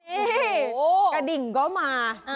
โอ้โหกระดิ่งก็มา